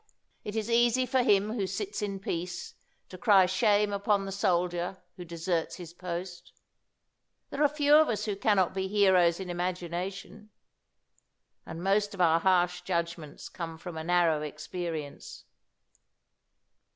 It is easy for him who sits in peace to cry shame on the soldier who deserts his post. There are few of us who cannot be heroes in imagination. And most of our harsh judgments come from a narrow experience.